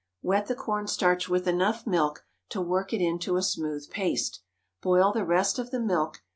Wet the corn starch with enough milk to work it into a smooth paste. Boil the rest of the milk.